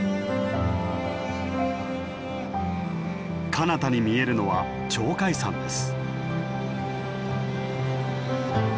かなたに見えるのは鳥海山です。